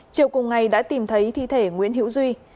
chiều cùng ngày đã tìm thấy thi thể nguyễn hữu duy